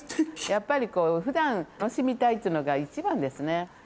やっぱり普段楽しみたいっていうのが一番ですね。